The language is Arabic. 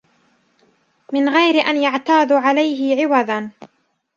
مِنْ غَيْرِ أَنْ يَعْتَاضُوا عَلَيْهِ عِوَضًا